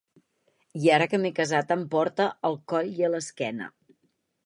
I ara que m’he casat en porte al coll i a l’esquena.